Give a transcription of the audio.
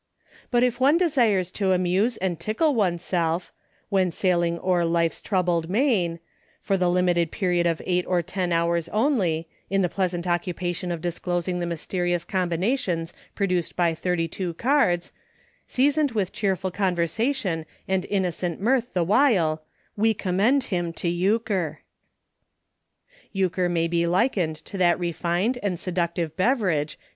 But, if one desires to amuse and tickle oneself — •'when sailing o'er life's troubled main" — for the limited period of eight or ten hours only, in the pleasant occupation of disclosing the mysterious combinations produced by thirty two cards — seasoned with cheerful conversa tion and innocent mirth the while, we com mend him to Euchre. 32 EUCHRE. Euchre may be likened to that refined and seductive beverage..